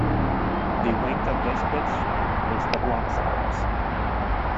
The length of this bit string is the block size.